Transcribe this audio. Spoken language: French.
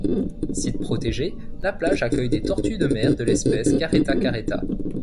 Site protégé, la plage accueille des tortues de mer de l'espèce Caretta caretta.